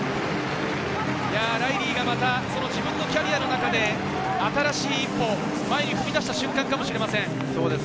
ライリーがまた自分のキャリアの中で、新しい一歩、前に踏み出した瞬間かもしれません。